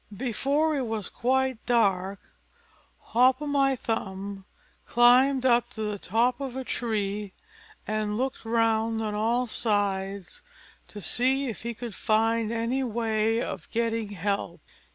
Before it was quite dark, Hop o' my thumb climbed up to the top of a tree, and looked round on all sides to see if he could find any way of getting help.